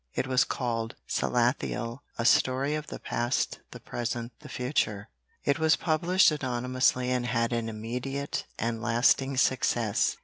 It was called: "Salathiel: a Story of the Past, the Present, the Future." It was published anonymously and had an immediate and lasting success.